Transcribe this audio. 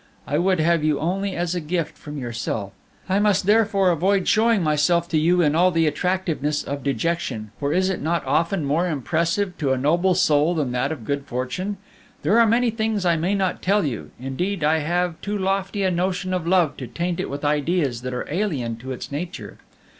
I would have you only as a gift from yourself; I must therefore avoid showing myself to you in all the attractiveness of dejection for is it not often more impressive to a noble soul than that of good fortune? There are many things I may not tell you. Indeed, I have too lofty a notion of love to taint it with ideas that are alien to its nature.